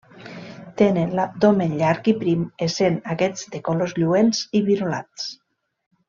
Tenen l'abdomen llarg i prim, essent aquests de colors lluents i virolats.